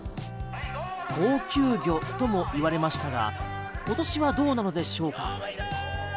高級魚とも言われましたが今年はどうなのでしょうか？